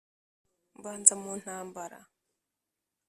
mbanza mu ntambara,